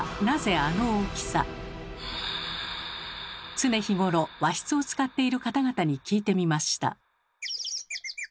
常日頃和室を使っている方々に聞いてみました。